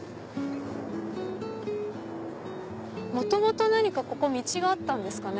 元々何か道があったんですかね。